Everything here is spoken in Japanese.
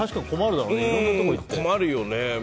困るよね。